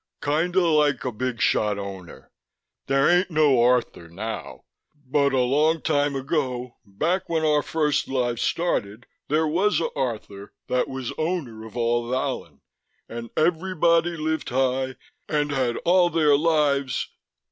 "Kinda like a big shot Owner. There ain't no Rthr now. But a long time ago, back when our first lives started, there was a Rthr that was Owner of all Vallon, and everybody lived high, and had all their lives...."